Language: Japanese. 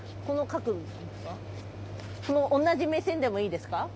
この同じ目線でもいいですか？